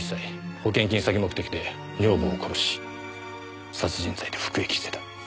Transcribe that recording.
保険金詐欺目的で女房を殺し殺人罪で服役してた。